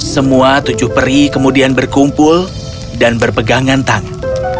semua tujuh peri kemudian berkumpul dan berpegangan tangan